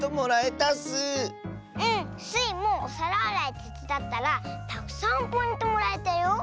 スイもおさらあらいてつだったらたくさんポイントもらえたよ。